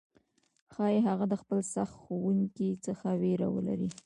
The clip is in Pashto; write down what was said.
ښايي هغه د خپل سخت ښوونکي څخه ویره ولري،